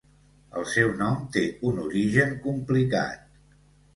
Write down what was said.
El seu nom té un origen complicat.